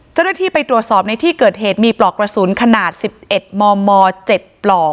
เจ้าหน้าที่ไปตรวจสอบในที่เกิดเหตุมีปลอกกระสุนขนาด๑๑มม๗ปลอก